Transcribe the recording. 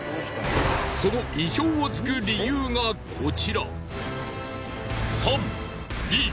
その意表を突く理由がこちら。